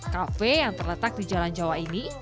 kafe yang terletak di jalan jawa ini